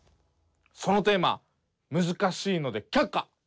そのテーマ難しいのできゃっか！